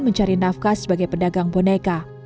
mencari nafkah sebagai pedagang boneka